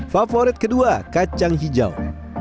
favorit kedua kacang hijau